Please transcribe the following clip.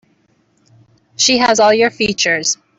She has all your features.